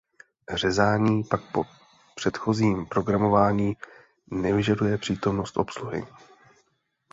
Řezání pak po předchozím programování nevyžaduje přítomnost obsluhy.